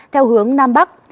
theo hướng nam bắc